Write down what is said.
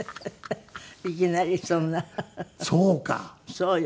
そうよ。